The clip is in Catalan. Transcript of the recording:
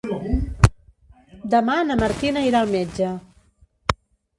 Demà na Martina irà al metge.